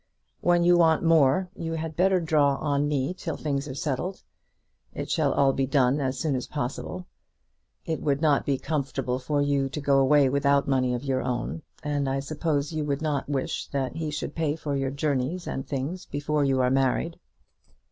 When you want more, you had better draw on me, till things are settled. It shall all be done as soon as possible. It would not be comfortable for you to go away without money of your own, and I suppose you would not wish that he should pay for your journeys and things before you are married.